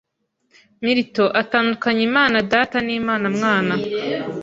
Milton atandukanya Imana Data n'Imana Mwana